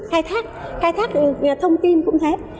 hay là khai thác khai thác thông tin cũng thế